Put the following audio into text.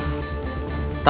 tapi jangan mencoba untuk menipu